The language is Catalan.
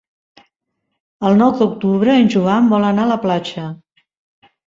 El nou d'octubre en Joan vol anar a la platja.